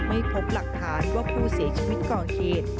ไม่พบหลักฐานว่าผู้เสียชีวิตก่อเหตุ